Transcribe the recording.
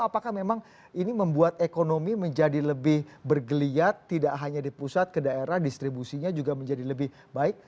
apakah memang ini membuat ekonomi menjadi lebih bergeliat tidak hanya di pusat ke daerah distribusinya juga menjadi lebih baik